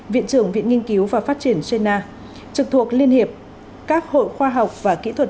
viện trưởng viện nghiên cứu và phát triển genna trực thuộc liên hiệp các hội khoa học và kỹ thuật